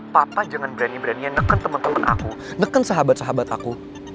papa jangan berani beraninya neken teman teman aku neken sahabat sahabat aku